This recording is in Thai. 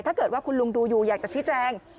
ถ้าเกิดว่าคุณลุงดูอยู่อยากจะชี้แจง